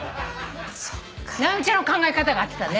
直美ちゃんの考え方が合ってたね。